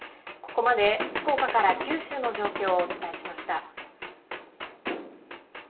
ここまでまで福岡から九州の状況をお伝えしました。